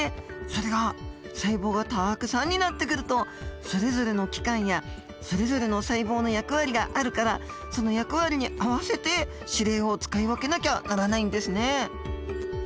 それが細胞がたくさんになってくるとそれぞれの器官やそれぞれの細胞の役割があるからその役割に合わせて指令を使い分けなきゃならないんですね。